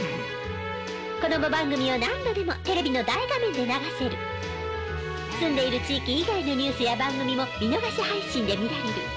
子供番組を何度でもテレビの大画面で流せる！住んでいる地域以外のニュースや番組も見逃し配信で見られる。